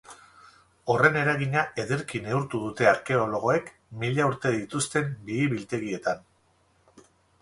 Horren eragina ederki neurtu dute arkeologoek mila urte dituzten bihi-biltegietan.